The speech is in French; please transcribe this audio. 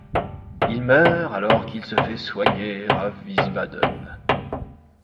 Il meurt alors qu'il se fait soigner à Wiesbaden.